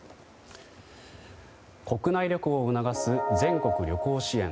国内旅行を促す全国旅行支援。